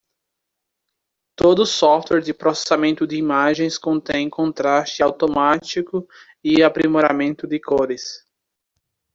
Todo software de processamento de imagens contém contraste automático e aprimoramento de cores.